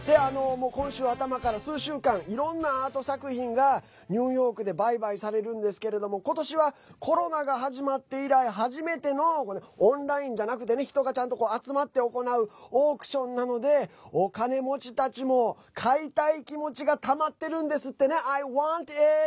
今週は頭から数週間いろんなアート作品がニューヨークで売買されるんですけれどもことしは、コロナが始まって以来初めてのオンラインじゃなくてね人がちゃんと集まって行うオークションなのでお金持ちたちも買いたい気持ちがたまってるんですってね。